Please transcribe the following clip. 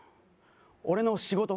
俺の仕事？